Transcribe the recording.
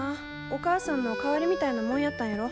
お母さんの代わりみたいなもんやったんやろ。